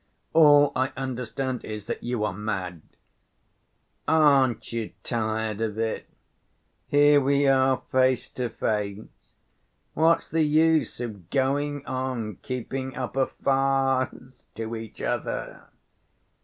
"All I understand is that you are mad." "Aren't you tired of it? Here we are face to face; what's the use of going on keeping up a farce to each other?